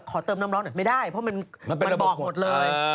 เติมน้ำร้อนหน่อยไม่ได้เพราะมันบอกหมดเลย